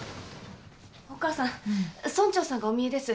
お母さん村長さんがおみえです。